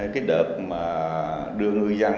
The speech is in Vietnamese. cái đợt mà đưa ngư dân